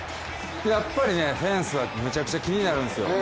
やっぱりフェンスはむちゃくちゃ気になるんですよ。